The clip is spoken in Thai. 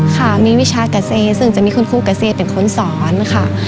ขามีวิชากเศษซึ่งจะมีคุณครูกเศษเป็นคุณสอนนะคะ